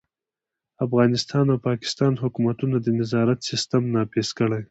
افغانستان او پاکستان حکومتونه د نظارت سیستم نافذ کړي.